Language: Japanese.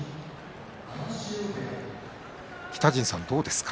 北陣さん、どうですか？